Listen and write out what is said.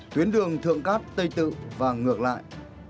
tuyến đường thượng cát tây tự và ngược lại